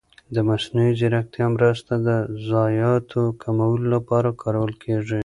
د مصنوعي ځېرکتیا مرسته د ضایعاتو کمولو لپاره کارول کېږي.